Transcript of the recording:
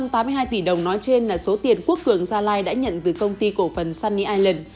hai tám trăm tám mươi hai tỷ đồng nói trên là số tiền quốc cường gia lai đã nhận từ công ty cổ phần sunny island